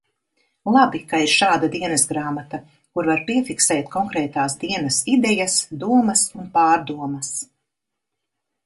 Labi, ka ir šāda dienasgrāmata, kur var piefiksēt konkrētās dienas idejas, domas un pārdomas.